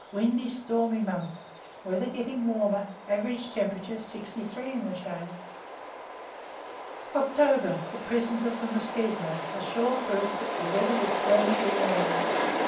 Windy stormy month; weather getting warmer. Average temperature, 63 in the shade. OCTOBER The presence of the mosquito, a sure proof that the weather is permanently warm.